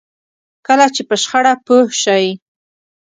کله چې په شخړه پوه شئ.